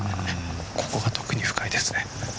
ここが特に深いですね。